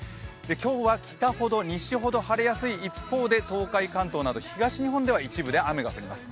今日は北ほど西ほど晴れやすい一方で東海、関東など東日本では一部で雨が降ります。